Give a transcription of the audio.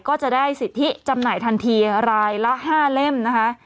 ก็จะได้สิทธิจำหน่ายทันทีรายละ๕เล่มนะคะ